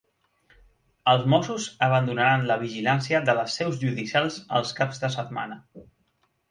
Els Mossos abandonaran la vigilància de les seus judicials els caps de setmana